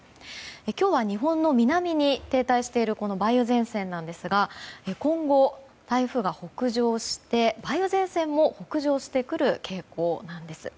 今日は、日本の南に停滞しているこの梅雨前線なんですが今後、台風が北上して梅雨前線も北上してくる傾向なんです。